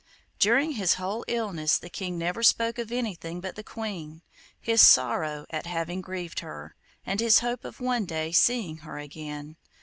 During his whole illness the King never spoke of anything but the Queen, his sorrow at having grieved her, and his hope of one day seeing her again.